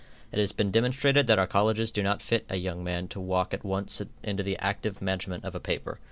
It has been demonstrated that our colleges do not fit a young man to walk at once into the active management of a paper.